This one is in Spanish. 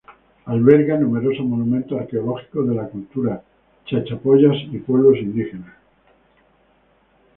Alberga numerosos monumentos arqueológicos de la cultura Chachapoyas y pueblos indígenas.